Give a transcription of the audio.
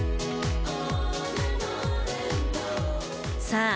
さあ